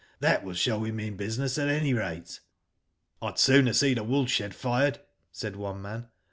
That will show we mean business, at any rate." *^ I'd sooner see the wool shed fired," said one man.